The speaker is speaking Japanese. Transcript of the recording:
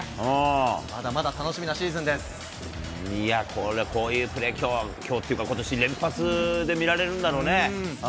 まだまだ楽しみなシーズンでいや、これ、こういうプレー、きょうというかことし、連発で見られるんだろうね。